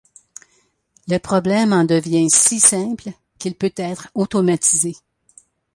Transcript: Le problème en devient si simple qu'il peut être automatisé.